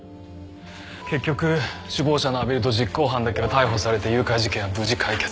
結局首謀者の阿比留と実行犯だけが逮捕されて誘拐事件は無事解決。